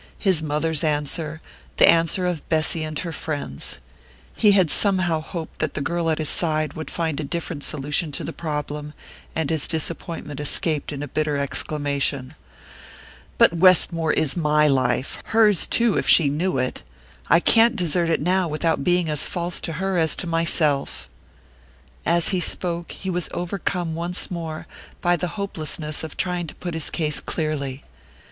His mother's answer, the answer of Bessy and her friends. He had somehow hoped that the girl at his side would find a different solution to the problem, and his disappointment escaped in a bitter exclamation. "But Westmore is my life hers too, if she knew it! I can't desert it now without being as false to her as to myself!" As he spoke, he was overcome once more by the hopelessness of trying to put his case clearly.